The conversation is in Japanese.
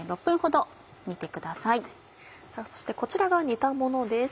そしてこちらが煮たものです。